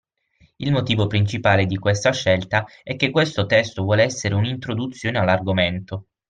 Il motivo principale di questa scelta è che questo testo vuole essere un'introduzione all'argomento.